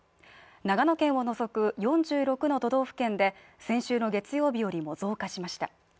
長野県を除く４６の都道府県で先週の月曜日よりも増加しました。